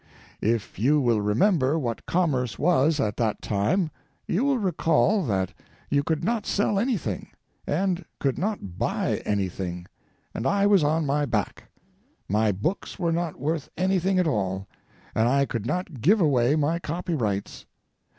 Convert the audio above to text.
If you will remember what commerce was at that time you will recall that you could not sell anything, and could not buy anything, and I was on my back; my books were not worth anything at all, and I could not give away my copyrights.